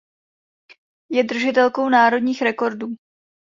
Je držitelkou národních rekordů.